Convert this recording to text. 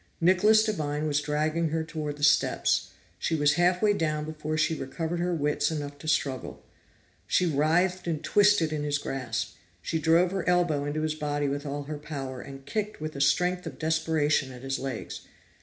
Nicholas Devine was dragging her toward the steps; she was half way down before she recovered her wits enough to struggle. She writhed and twisted in his grasp. She drove her elbow into his body with all her power, and kicked with the strength of desperation at his legs.